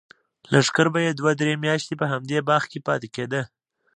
لښکر به یې دوه درې میاشتې په همدې باغ کې پاتې کېده.